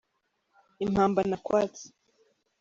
Impamba nakwatse.